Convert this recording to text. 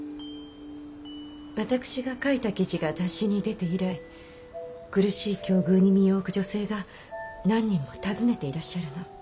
私が書いた記事が雑誌に出て以来苦しい境遇に身を置く女性が何人も訪ねていらっしゃるの。